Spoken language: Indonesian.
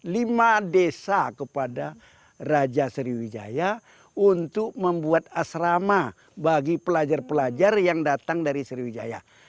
lima desa kepada raja sriwijaya untuk membuat asrama bagi pelajar pelajar yang datang dari sriwijaya